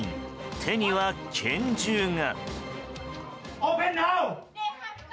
手には拳銃が。